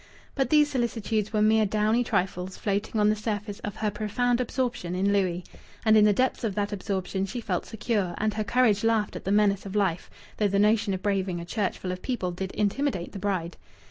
But these solicitudes were mere downy trifles floating on the surface of her profound absorption in Louis. And in the depths of that absorption she felt secure, and her courage laughed at the menace of life (though the notion of braving a church full of people did intimidate the bride).